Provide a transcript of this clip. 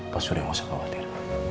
papa surya gak usah khawatir